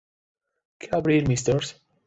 Que abril Mrs.